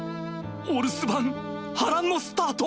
お留守番波乱のスタート！